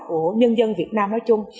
của nhân dân việt nam nói chung